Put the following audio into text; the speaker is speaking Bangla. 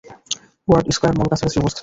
ওয়ার্ড স্কয়ার মল কাছাকাছি অবস্থিত।